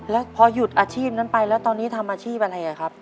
แล้วพอหยุดอาชีพนั้นไปแล้วตอนนี้ทำอาชีพอะไรครับ